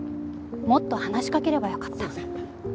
もっと話しかければよかった。